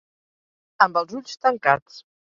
Amb els ulls tancats.